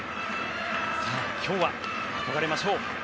今日は憧れましょう！